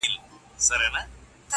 o څوك دي د جاناني كيسې نه كوي.